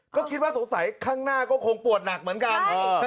ก็คิดว่าสงสัยข้างหน้าก็คงปวดหนักเหมือนกัน